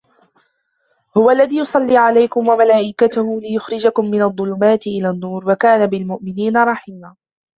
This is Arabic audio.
هُوَ الَّذِي يُصَلِّي عَلَيْكُمْ وَمَلَائِكَتُهُ لِيُخْرِجَكُمْ مِنَ الظُّلُمَاتِ إِلَى النُّورِ وَكَانَ بِالْمُؤْمِنِينَ رَحِيمًا